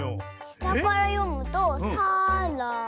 したからよむと「さ・ら・だ」！